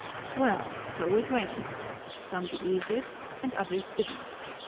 "Well, so it went" some believed it and others didn't.